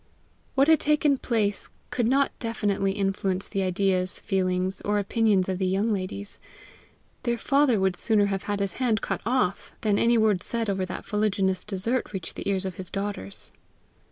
What had taken place could not definitely influence the ideas, feelings, or opinions of the young ladies. Their father would sooner have had his hand cut off than any word said over that fuliginous dessert reach the ears of his daughters.